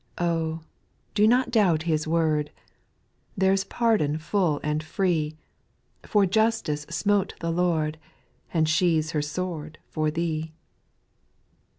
Oh ! do not doubt His word, There 's pardon full and free. For justice smote the Lord, And sheathes her sword for thee.